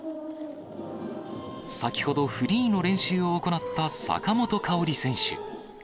先ほど、フリーの練習を行った坂本花織選手。